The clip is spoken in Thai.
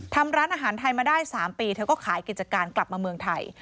ร้านอาหารไทยมาได้๓ปีเธอก็ขายกิจการกลับมาเมืองไทย